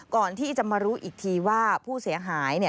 ก่อนที่จะมารู้อีกทีว่าผู้เสียหาย